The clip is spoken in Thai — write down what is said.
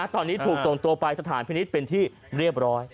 ตอนนี้ถูกส่งตัวไปสถานพินิษฐ์เป็นที่เรียบร้อย